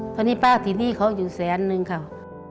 เพราะนี่ป้าที่นี่เขาอยู่แสนนึงครับ